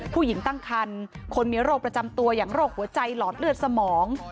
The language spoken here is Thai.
ผู้หญิงตั้งคันคนมีโรคประจำตัวอย่างโรคหัวใจหลอดเลือดสมอง